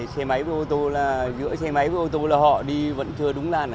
xe máy với ô tô là giữa xe máy với ô tô là họ đi vẫn chưa đúng làn